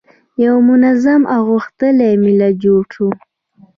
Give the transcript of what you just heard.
یو منظم او غښتلی امت جوړ شو.